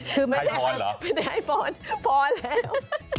คือไม่ใช่ให้พรพรแล้ว